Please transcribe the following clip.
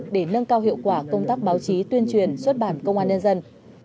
để nâng cao hiệu quả công tác báo chí tuyên truyền xuất bản công an nhân dân